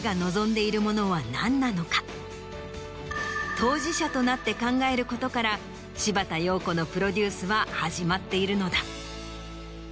当事者となって考えることから柴田陽子のプロデュースは始まっているのだ。